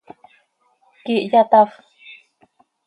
¿Quíihya tafp?